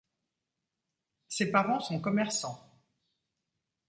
Ses parents sont commerçants.